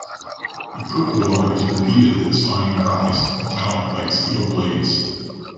The cuckoo always repeated its fine cries, metallic like steel blades.